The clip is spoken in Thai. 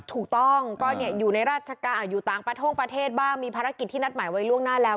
ถูกต้องก็อยู่ในราชการอยู่ต่างประท่งประเทศบ้างมีภารกิจที่นัดหมายไว้ล่วงหน้าแล้ว